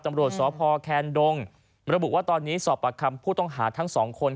ตำรวจสพแคนดงมระบุว่าตอนนี้สอบประคำผู้ต้องหาทั้งสองคน